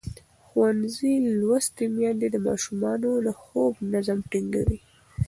ښوونځې لوستې میندې د ماشومانو د خوب نظم ټینګوي.